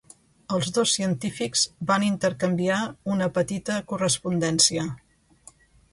Els dos científics van intercanviar una petita correspondència.